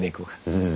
うん。